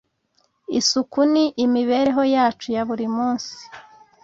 isuku ni imibereho yacu ya buri munsi